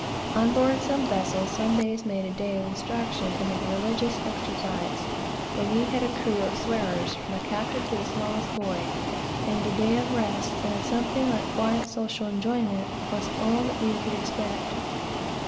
On board some vessels this is made a day of instruction and of religious exercises; but we had a crew of swearers, from the captain to the smallest boy; and a day of rest, and of something like quiet, social enjoyment, was all that we could expect.